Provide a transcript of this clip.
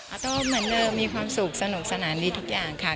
โต้เหมือนเดิมมีความสุขสนุกสนานดีทุกอย่างค่ะ